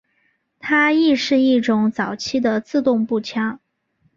它亦是一种早期的自动步枪。